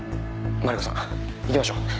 マリコさん行きましょう。